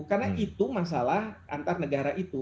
karena itu masalah antar negara itu